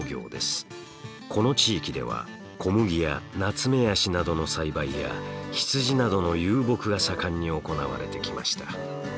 この地域では小麦やナツメヤシなどの栽培や羊などの遊牧が盛んに行われてきました。